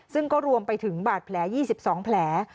ซึ่งก็รวมไปถึงบาดแผล๒๒แผล